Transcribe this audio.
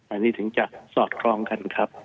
อันนี้ถึงจะสอดคล้องกันครับ